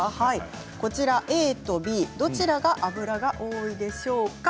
ＡとＢどちらが脂が多いでしょうか。